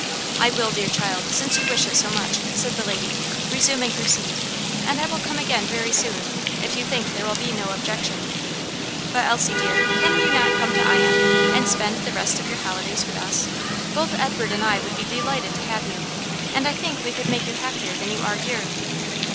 "I will, dear child, since you wish it so much," said the lady, resuming her seat, "and I will come again very soon, if you think there will be no objection. But, Elsie, dear, can you not come to Ion, and spend the rest of your holidays with us? Both Edward and I would be delighted to have you, and I think we could make you happier than you are here."